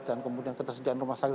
dan kemudian ketersediaan rumah sakit